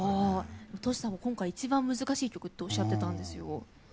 Ｔｏｓｈｌさんが今回一番難しい曲とおっしゃってたんですよ。